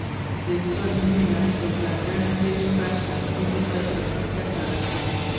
د انسان وینه په بدن کې شپږ سانتي متره په ثانیه سرعت لري.